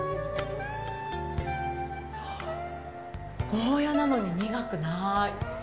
ゴーヤなのに、苦くない。